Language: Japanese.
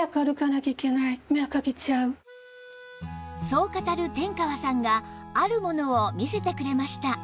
そう語る天川さんがあるものを見せてくれました